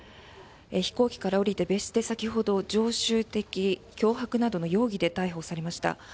飛行機から降りて別室で先ほど常習的脅迫などの容疑で逮捕されました。